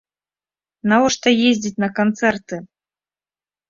Навошта ездзіць на канцэрты?